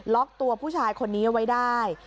ล็อกตัวผู้ชายคนนี้ไว้ได้